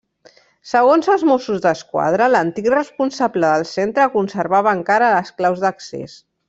Segons els Mossos d'Esquadra, l'antic responsable del centre conservava encara les claus d'accés.